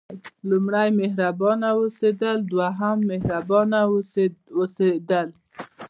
لومړی مهربانه اوسېدل دوهم مهربانه اوسېدل.